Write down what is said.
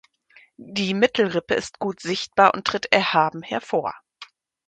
Die Mittelrippe ist gut sichtbar und tritt erhaben hervor.